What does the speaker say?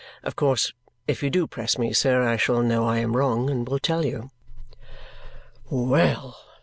Of course, if you do press me, sir, I shall know I am wrong and will tell you." "Well!"